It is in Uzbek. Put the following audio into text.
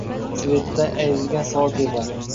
Svetidan ayrilgan soat yig‘lar